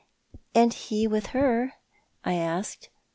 " And he with her? " I asked.